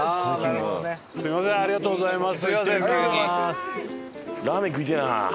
すみませんありがとうございます。